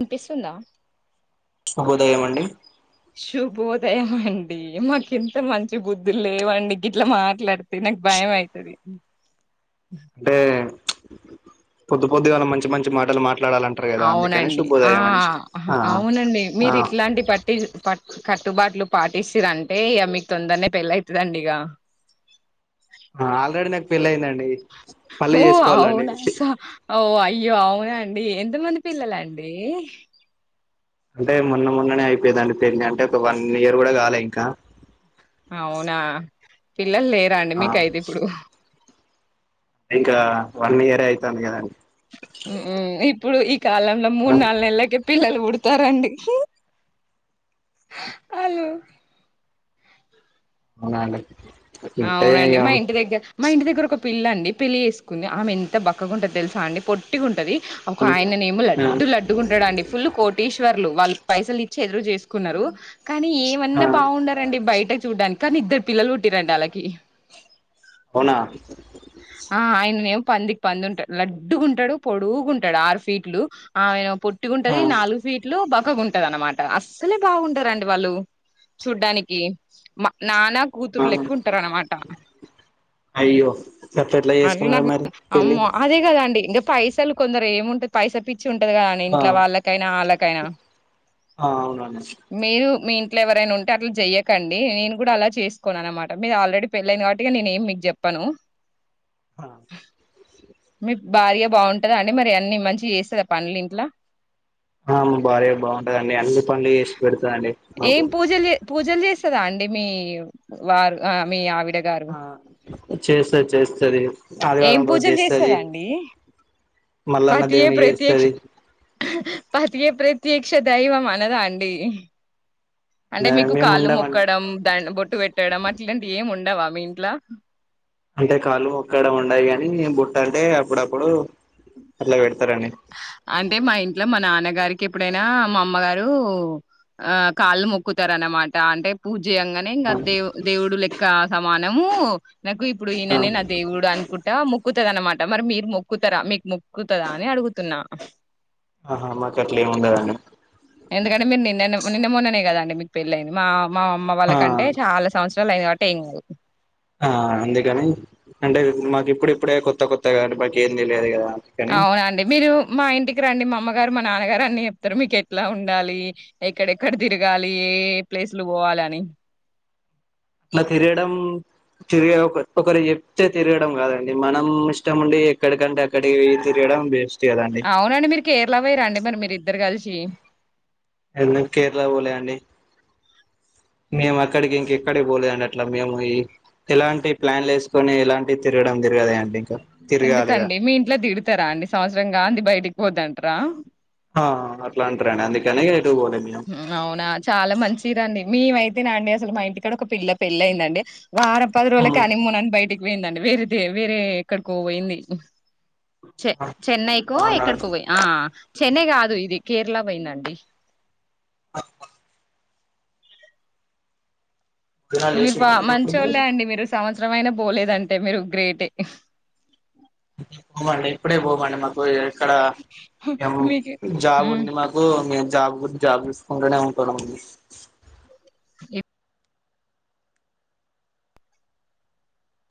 వినిపిస్తుందా శుభోదయం అండి శుభోదయం అండి మాకు ఇంత మంచి బుద్ధులు లేవండి గిట్లా మాట్లాడితే నాకు భయం అయితది అంటే పొద్దు పొద్దు గాల మంచి మంచి మాటలు మా అవునండి ఆ ఆ అవునండి ఆ మీరు ఇట్లాంటి పట్టి ప కట్టుబాట్లు పాటిస్తుది అంటే ఇక మీకు తొందరనే పెళ్ళైతుదండి ఇక ఆల్రెడీ నాకు పెళ్లి అయిందండి మళ్ళీ ఓ చేసుకోవాలండి అవునా స ఓ అయ్యో అవునా ఎంత మంది పిల్లల అండీ అంటే మొన్న మొన్ననే అయిపోయిదండి పెళ్ళి అంటే ఒక వన్ ఇయర్ కూడా కాలే ఇంకా అవునా పిల్లలు లేరా అండి ఆ మీకు అయితే ఇప్పుడు ఇంకా వన్ ఇయరె అయితాందిగదాండి మ్మ్ ఇప్పుడు ఈ కాలంలో మూడు నాలుగు నెలలకె పిలలు పుడు చెస్తారండి హలో మా నాన్న కి అవునండి మా ఇంటి దగ్గర మా ఇంటి దగ్గర ఒక పిల్ల అండి పెళ్లి చేసుకుంది ఆమె ఎంత బక్కగా ఉంటంది తెలుసా అండి పొట్టి గుంటది ఇంక ఆయననేమో ఆ లడ్డు లడ్డుగ వుంటడండి ఫుల్ కోటీశ్వర్ వాళ్ళు పైసలు ఇచ్చి ఎదురు చేసుకున్నారు కానీ ఆ ఏమన్నా బాగుండారండి బయట చూడడానికి కానీ ఇద్దరు పిల్లలు పుట్టిరంట వాళ్ళకి కి అవునా ఆ ఆయనేం పంది పంది ఉంటాడు లడ్డుగా ఉంటాడు పొడుగుంటాడు ఆరు ఫీట్లు ఆయన పొట్టి ఆ ఉంటది నాలుగు ఫీట్లు బక్కగా ఉంటది అన్నమాట అస్సలు బాగుండారండి వాళ్ళు చూడ్డానికి మ నానా ఆ కూతురులు ఎక్కుఉంటారన్నమాట అయ్యో గట్ల ఎట్లా అ చేసుకున్నారు నాకు మరి పెళ్ళి అమ్మో అదే కదండి ఇంగ పైసలు కొందరు ఏముంటది పైసా పి వచ్చి ఉంటది కదండి ఆ ఇంట్లో వాళ్ళకైనా ఆళ్ళకైనా ఆ అవునండి మీరు మీ ఇంట్లో ఎవరైనా ఉంటే అట్లా చెయ్యకండి నేను కూడా అలా చేసుకోననమాట మీరు ఆల్రెడీ పెళయింది కాబట్టి నేనేం మీకు చెప్పను. ఆ మీ భార్య బాగుంటందా అండి మరి అన్ని మంచిగా చేస్తుందా పనులు ఇంట్లో ఆ మా భార్య బాగుంటదండి అన్ని పనులు చేసి పెడుత ఏం పూజలు జే పూజలు చేసి [unintelligible] అండి మీ వారు అ మీ ఆవి ఎ గారు చేసేది చేస్తది ఏం ఆదివారం రోజు పూజలు చేస్తది. చేస్తదండి మల్లన్న పతియే దేవునికి ప్రత్యక్ష చేస్తది. పతియే ప్రత్యేక్ష దైవమనదా అండి అంటే మీకు మేము కాళ్ళు ఉండమండి మొక్కడం ద బొట్టు పెట్టడం అట్లాంటివి ఏం ఉండ ఉండవా మీఇంట్లో అంటే కాళ్ళు మొక్కడం ఉండయి గాని బొట్టు అంటే అప్పుడప్పుడు అట్లా పెడతారండి అంటే మా ఇంట్లో మా నాన్నగ గారికి ఎప్పుడైనా మా అమ్మగారు ఆ కాళ్ళు మొక్కుతార అనమాట అంటే పూ జేయంగానే ఇంగా దే ఆ దేవుడు లెక్క సమాన నమో నాకు ఇప్పుడు ఈయననే నా దేవుడు అనుకుంటా మొ మొక్కుతది అన్నమాట మరి మీరు మొక్కుతారా మీకు మొక్కుతదా అని అడుగుతున్నా ఆహా మాకట్లేమి ఉండదండి. ఎందుకంటే మీరు నిన్నానే నిన్న మొన్ననే కదండి మీకు పెళ్ళ అయింది మా మా అమ్మ ఆ వాళ్ళకంటే చాలా సంవత్సరాలు అయింది కాబట్ టెంగు ఆ అందుకని అంటే మాకు ఇప్పుడు ఇప్పుడే కొత్త కొత్త కానీ మాకు ఏమి తెయదు కదా అందుకని అవునండి మీరు మా ఇంటిక్ టీకి రండి మా అమ్మగారు మా నాన్నగారు అన్ని చెప్తారు మీకు ఎట్లా ఉండాలి ఎక్కడెక్కడ తిరగాలి ఏ ఏ ప్లేస్లు పోవాలి అని అట్లా తిరగడం తిరిగ ఒక ఒకరు చెప్తే తిరగడం కాదండి మనం ఇష్టం ఉండి ఎక్కడికంటే అక్కడికి తిరగడం బేస్ట్ అవునండి మీరు కేరళ పోయిరా రండి మరి మీరు ఇద్దరు కలిసి చే ఎందుకు కేరళ పోలే అండి మేం అక్కడికి ఇంకె అక్కడ పోలేదుండి అట్లా మేము ఈ ఎలాంటి ప్లాన్లు వేసుకొని ఎలాంటివి తిరగడం తిరగదా అండి ఇంకా తిరగాలిగా ఎందుకండి మీ ఇంట్లో తిడుతారా అండి సంవత్సరం గాందీ బయటిక్ పోతే అంటారా ఆ అట్లా అంటారండి అందుకని ఎటు పోలే మేము అవునా చాలా మంచ్ మంచిదండి మేం అయితేనా అండి అసలు మా ఇంటి కూడా ఒక పిల్ల పెళ్ళ అయిందండి వారం పదిరోజులకే హానీ మూన అని బయటక్ దండి వేరే వేరే ఎక్కడికో పోయింది చె చెన్నైకో అవునా ఎక్కడికో పోయి ఆ చెన్నై కాదు ఇది కేరళ పోయింది అండి ఆ భోజనాలు మీరు ప చేసిండ్రా అండి ఇప్పుడు మంచోలే అండి మీరు సంవత్సర చారం అయిన పోలేదంటే మీరు గ్రేటె పోమండి ఎప్పుడే పోమాన్డి మాకు ఇక్కడ మీకు జాబ్ హ్మ్ ఉంది మాకు మేము జాబ్ గు జాబ్ చూసుకుంటూనే ఉంటానమండి ఏ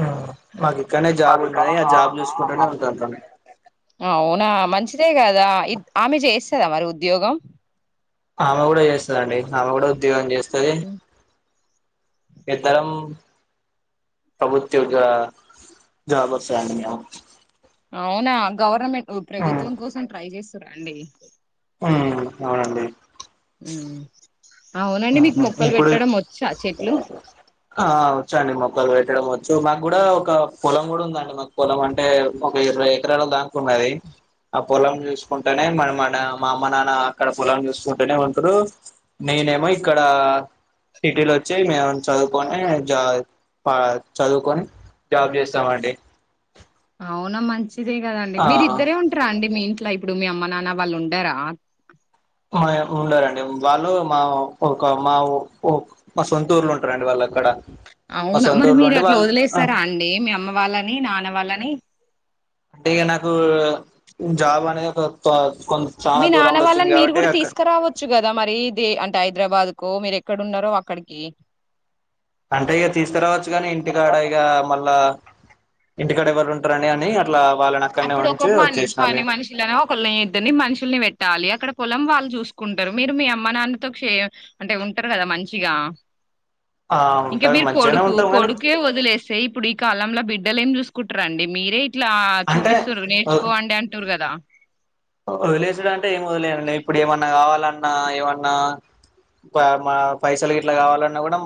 ఆ మాకు ఇక్కడనే జాబ్ ఉన్నది జాబ్ చూసుకుంటూనే ఉంటాంటాం అవునా మంచి అంతే కదా ఇ ఆమె చేస్తదా మరి ఉద్యోగం ఆమె కూడా చేస్తందిండి ఆమె కూడా ఉద్యోగం చేస్త స్థాది హ్మ్. ఇద్దరం పప్రభుతవుడ్యోగ జాబ్ఎర్స్ అండిమేము అవునా గవర్నమెంట్ ఓ ప్రభుత్వం కోసం ట్రై చేస్ రండి ఆ అవునండి హ్మ్ అవునండి మీకు మొక్కలు ఇప్పుడు పెట్టడం వచ్చా చెట్లు మక్కలు పెట్టడం వచ్చు మాకు కూడా ఒక పొలం కూడా ఉందండి మాకు పొలం అంటే ఒక ఇరవై ఎకరాలో దా ఉన్నది పొలం చూసుకుంటేనే మన మ మా అమ్మ నాన్న అక్కడ పొలం చూసుకుంటేనే ఉంటడు నేనేమో ఇక్కడ సిటీలో వచ్చి మేము చదువుకొని జా చదువుకొని జాబ్ చేస్తామ అండి అవునా మంచి ఇదే కదండి ఆ మీరు ఇద్దరే ఉంటార అండి మీ ఇంట్ ల ఇప్పుడు మీ అమ్మ నాన్న వాళ్ళు ఉండారా మా ఉండారంండి వాళ్ళు మా ఒక మా మా సొంతూర్లో ఉంటారండి వాళ్ళు అక్కడ మా అవునా మరి సొంతూరులో మీరు ఉండి అట్లా వాళ్ళు వదిలేస్తారా అండి మీ అమ్మ వాళ్ళని నాన్న వాళ్ళని అ అంటే ఇక నాకు జాబ్ అనేది ఒక కొ చాలా మీ నాన్న దూరంలో వచ్చింది వాళ్ళని మీరు కాబట్టి కూడా అక్కడ తీసుకురావచ్చు కదా మరి ద అంటే హైదరాబాద్ కో మీరు ఎక్కడున్నారో అక్కడికి అంటే ఇక తీసుకురావచ్చు కాని ఇంటికాడ ఇక మళ్ళా ఇంటికాడ ఎవరు ఉంటారని అని అట్లా వాళ్ళని అక్కడనే అప్పుడు ఒకొ ఉంచి వచ్చేసినాం మని మేము మనుషులని ఒకళని ఇద్దని మనుషుల్ని పెట్టాలి అక్కడ పొలం వాళ్ళు చూసుకుంటారు మీరు మీ అమ్మ నాన్నతో కష అంటే ఉంటారు కదా మంచిగా ఆ ఇంకా ఉంటాం మీరు మంచిగానే కొడుకు ఉంటాం కానీ కొడుకే వదిలేస్తాయి ఇప్పుడు ఈ కాలంంలో బిడ్డలే ఏం చూసుకుంటారండి మీరే ఇట్లా అంటే చూపిస్తుారు నేర్చుకోండి అంటుారు కదా వదిలేసుడు అంటే ఏ మదలే ఇప్పుడు ఏమన్నా కావాలన్నా ఏమన్నా మా పైసలు ఇట్లా కావాలన్నా కూడా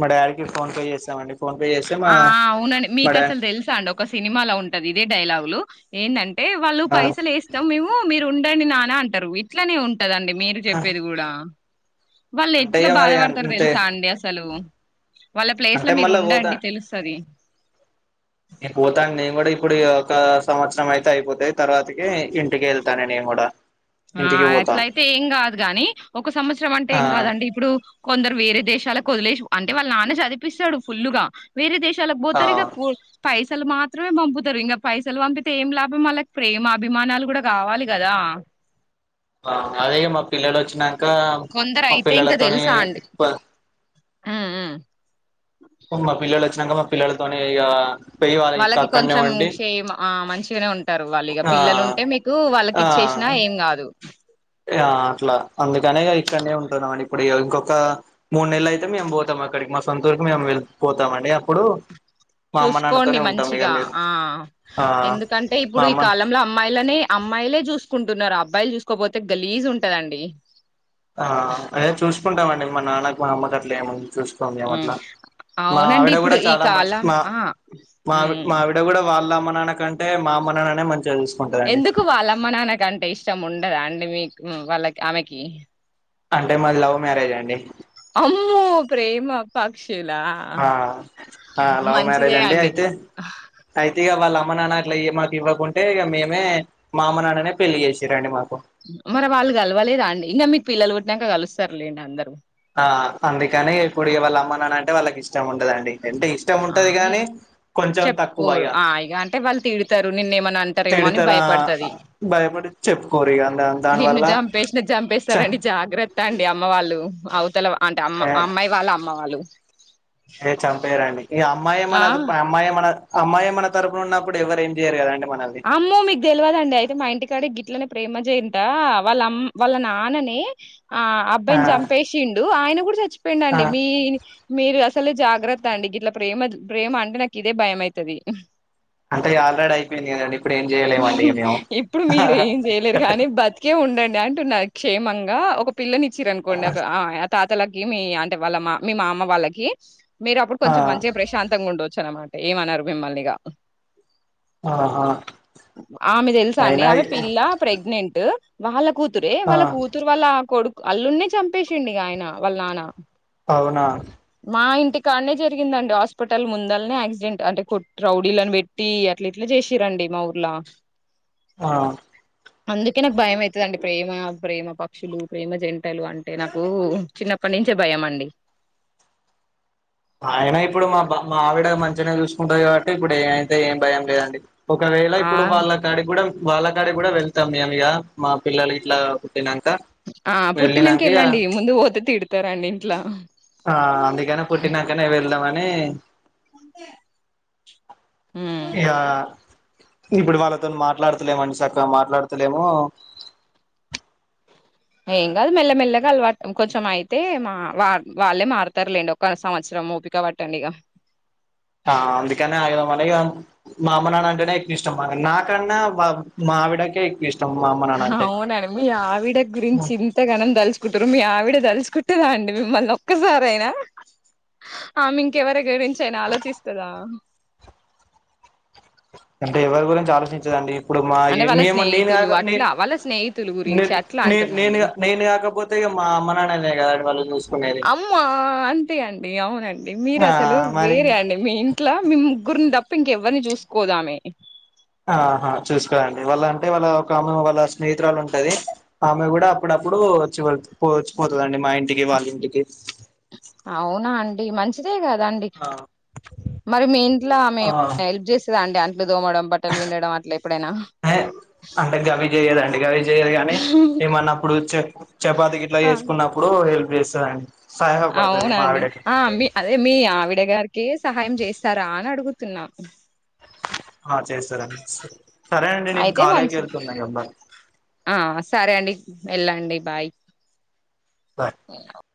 మా డాారిీకి ఫోన్ పే చేస్తామండి ఫోన్ పే చేస్తే మా ఆ అవునండి మా మీకు డాడీ అసలు తెలుసా అండి ఒక సినిమాలో ఉంటది ఇదే డైలాగులు ఏన్ దం టె వాళ్ళు పైసలు వేస్తాం మేము మీరు ఉ ం నాన్న అంటారు ఇట్లానే ఉంట కదండి మీరు చెప్పేది కూడా వాళ్ళు అంటే ఎట్లా ఇక మరి బాధపడతారు అంతే తెలుసా అండి అసలు వాళ్ళ ప్లేస్ లో అంటే మీరు మళ్ళా పోతా ఉండండి తెలుస్తుంది నేను పోతాను నేను కూడా ఇప్పుడు ఒక సంవత్సరం అయితే అయిపోతాయి తర్వాతకి ఇంటికి వెళ్తాను నేను కూడా ఆ ఇంటికి పోతా అట్ల అయితే ఏం కాదు గానీ ఒక సంవత్సరం అంటే ఆ ఏం కాదండి ఇప్పుడు కొందరు వేరే దేశాలకు వదిలే అంటే వాళ్ళ నాన్న చదిపిస్తాడు ఫుల్లు గా వేరే దేశ చాల ఆ బోతరిగా పై పైసలు మాత్రమే పంపుతారు ఇంకా పైసలు పంపితే ఏం లాభం వాళ్ళకి ప్రేమ అభిమానాలు కూడా కావాలి కదా అదే మా పిల్లడ వచ్చిన ఆ కొందరు మా అయితే ఇంకా పిల్లలతోని తెలుసా అండి ఉమ్ ఉమ్ ఉ మా పిల్లలు వచ్చినంక పిల్లలతోనే ఇగ వాళ్ళకి కొంచెం చేమ్ ఆ మంచి చిన ఉంది టరు వాళ్ళు ఇగ ఆ పిల్లలు ఉంటే మీకు వాళ్ళకి ఇచ్చేసినా ఏం కాదు ఆ అట్లా అందుకనే ఇక్కడనే ఉంటున్నాం ఇప్పుడు ఇంకొక మూడు నెలలు అయితే మేము పోతాం అక్కడికి మా కొంతవరకు మేము వెలిపోతామండి అప్పుడు మా అమ్మ చూసుకోండి నాన్నతోనే ఉంటాం ఇక మంచిగా మీరు ఆ ఆ ఎందుకంటే మా ఇప్పుడు ఈ అమ్మ కాలంలో అమ్మాయిలనే అమ్మాయిలే చూసు కుంటున్నారు ఆ అబ్బాయిలు చూసుకోపోతే గలీజు ఉంటదండి ఆ అదే చూసుకుంటామండి మా నాన్నకు మా అమ్మకు గ అట్లు ఏముంది చూస్కోంది ఏట్లా మా అవునండి ఆవిడ కూడా ఇప్పుడు ఈ చాలా మ కాలం మా ఆ మా ఉమ్ మా ఆవిడ కూడా వాళ్ళ అమ్మ నాన్న కంటే మా అమ్మ నాన్ననే మంచిగ రాసిస్తారు ఎందుకు వాళ్ళ అమ్మ నాన్న కంటే ఇష్టం ఉండదా అండి మీకు ఉమ్ వాళ్ళకి ఆమెకి అంటే మాది లవ్ మ్యారేజ్ అండి అమ్మో ప్రేమ పక్షి ఆ లవ్ మ్యారేజ్ అండి అయితే అయితే ఇగ అమ్మ నాన్న అట్లా మాకు ఇవ్వకుంటే ఇక మేమే మా అమ నాన్ననే పెళ్లి చేసిరండి మాకు మరి వాళ్ళు కలవాలి రండి ఇంకా మీకు పిల్లలు పుట్టి నంక కలుస్తారులేండి అందరం ఆ అందుకని ఇప్పుడు వాళ్ళ అమ్మనా అంటే వాళ్ళకి ఇష్టం ఉండదండి అంటే ఇష్టం ఆ ఉంటది గాని కొంచెం తక్కువ చెప్పుకోరు ఆ ఇగ అంటే వాళ్ళు తిడతారు నిన్న ఏమనా అంటారేమో అని తిడతారా భయపడతది భయపడి చెప్పుకోరు ఇగ దా నిన్ను దానివల్ల జంపేసిన చ జంపేస్తారుడి జాగ్రత్త అండి అమ్మ వాళ్ళు అవు తెలవా అంటే అమ్మ అమ్మాయి వాళ్ళ అమ్ అమ్మ వాళ్ళు అద చంపెయరాండి ఇగ అమ్మ ఆ ఏమనదు మా అమ్మమ్ అనర్ ఆ అమ్మాయే మన తరపున ఉన్నప్పుడు ఎవరు ఏం చేయరు కదండి. మనల్ని అమ్మో మీకు తెల్వదండి అయితే మా ఇంటికాడ గిట్లనే ప్రేమ జయంట వాళ్ళ అమ్ వాళ్ళ నాన్నని ఆ ఆ అబ్బాయిని చంపేసిండు ఆయన కూడా చచ్చిపోయిండు ఆ అండి మీ మీర్ అస్ తలే జాగ్రత్త అండి ఇట్లా ప్రేమ ప్రేమ అంటే నాకు ఇదే భయమైతది. అంటే ఆల్రెడీ అయిపోయింది కదా అండి ఇప్పుడు మీరు ఏం చేయలేరు కానీ బతికే ఉండండ్ ప్యాన్టున్నారు క్షేమంగా ఒక పిల్లని ఇచ్చిరనుకోండి అక ఆ య తాతలకి మీ ఆంటే వాళ్ళ మా మీ మామ వాళ్ళకి మీరు అప్పుడు ఆ కొంచెం మంచిగా ప్రశాంతంగా ఉండొచ్చు అనమాట ఏమన్నారు మిమ్మల్ని ఇగా ఆ ఆ ఆమె తెలుసా అండి ఆమె పిల్ల ప్రెగ్నెంట్ ట్ వాళ్ళ కూతురే ఆ వాళ్ళ కూతురు వాళ్ళ కొడుక్ అల్లున్నే చంపేసిండిగా ఆయన వాళ్ళ నాన్న అవ్నా మా ఇంటి కాన్నే జరిగిందండి హాస్పిటల్ ముందల్నే యాక్సిడెంట్ అంటే కొట్ రౌడీలని బెట్టి అట్లా ఇట్లా చేసిరండి మా ఊర్లా. ఆ అందుకే నాకు భయం అవుతుందండి ప్రేమ ప్రేమ పక్షులు ప్రేమ జంటలు అంటే నాకు చిన్నప్పటి నుంచే భయం అండి. ఆయన ఇప్పుడు మా బన్ మా ఆవిడ మంచిగ్నే చూస్ కుంటది కాబట్టి ఇప్పుడు యే అయితే ఏం భయంగ్ టే యండి ఒకవేళ ఆ ఇప్పుడు వాళ్ళకాడికి కూడా వాళ్ల కాడికి కూడా వెళ్తాం మేమ్ ఇగా ఆ వెళ్ళినంక పుట్టినింకా ఇగ వెళ్ళండి ముందు పోతే తిడతారండి ఇంట్లా ఆ అందుకనే పుట్టిన కానే వెళ్ళమన్ అంతే ఇగా ఇప్పుడు వాళ్ళతోని మాట్లాడుతులేమండి చక్కగా మాట్లాడుతలేము ఏం కాదు మెల్లమెల్లగా అలవాట్ కొంచెం అయితే మా వా వాళ్ళే మారుతారులేండి ఒక సంవత్సరం ఊపిక పట్టండి ఇక ఆ అందుకనే ఆగినమ్ ఇంకా అ మా అమ నాన్న అంటేనే ఎక్కువ ఇష్టం నాకన్నా బాగ్ మా ఆవిడకే ఎక్కువ ఇష్ట్ అవునండి మీ ఆవిడ గురించి ఇంతగానం దాల్చకు కుంటారు మీ ఆవిడ తలుచుకుంటుందా అండి మిమ్మల్ని ఒక్కసారి అయిన ఆమె ఇంకెవరి గురించి అయినా ఆలోచిస్తుందా ఇంకా ఎవరి గురించి ఆలోచించదు అండి ఇప్పుడు మా అంటే వాళ్ళ మే స్నేహితులు నేనుక నేను అట్లా వాళ్ళ స్నేహితులు గురించి అట్లా నేను అంటున్నాండి నేను కాకపోతే మా అమ్మ నా మనల్నే కాదండి వాళ్ళు చూసు అమ్మా అంతే అండి అవునండి మీరు ఆ అసలు మరి వేరే అండి మీ ఇంట్లో మీ ముగ్గురిని తప్పు ఇంకెవరి చూసుకోదు ఆమె ఆహా చూసుకోదండి వాళ్ళ అంటే వాళ్ళ ఒక ఆమె వాళ్ళ స్నేహితురాలు ఉంటది ఆమె కూడా అప్పుడప్పుడు వచ్చి వచ్చిపోతుందిండి మా ఇంటికి వాళ్ళ ఇంటికి ఈ మంచిదే కాద్ అండి ఆ మరి మీ ఇంట్లో ఆమె ఏమైనా హెల్ప్ చేస్తాదా అండి అంట్లు దోమడం, బట్టలు పిండడం అట్లా ఎప్పుడైనా? ఏ అంటే గవి చేయదండి గవి చేయదు గానీ ఏమన్నప్పుడు చాప్ చపాతి గిట్ల చేసుకున్నప్పుడు అప్పుడు చేస్తది అండి అవునండి ఆ మీ అదే మీ ఆవిడ గారికి సహాయం చేస్తారా అని అడుగ్ గుతున్న ఆ చేస్తారంండి సరే అండి నేను అయితే కాలేజీకి మంచిది. వెళ్తున్నా ఇగ బై హ్ వెళ్ళండి బై బాయ్ [inaudible]